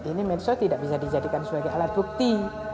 ini medsos tidak bisa dijadikan sebagai alat bukti